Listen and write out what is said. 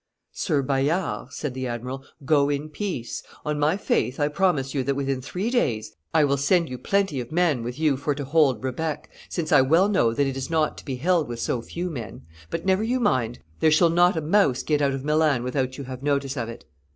'Sir Bayard,' said the admiral, 'go in peace; on my faith I promise you that within three days I will send you plenty of men with you for to hold Rebec, since I well know that it is not to be held with so few men; but never you mind; there shall not a mouse get out of Milan without you have notice of it.